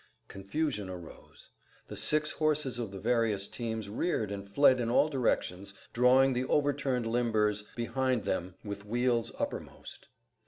Confusion arose. The six horses of the various teams reared and fled in all directions, drawing the overturned limbers behind them with wheels uppermost.